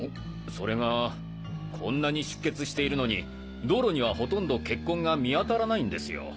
それがこんなに出血しているのに道路にはほとんど血痕が見当たらないんですよ。